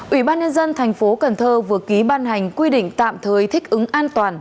ủy ban nhân dân thành phố cần thơ vừa ký ban hành quy định tạm thời thích ứng an toàn